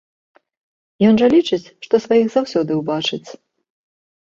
Ён жа лічыць, што сваіх заўсёды ўбачыць.